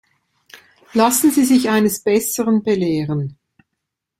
Lassen Sie sich eines Besseren belehren.